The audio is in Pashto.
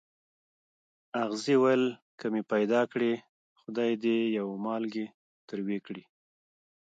اغزي ویل که مې پیدا کړې خدای دې یو مالګی تروې کړي.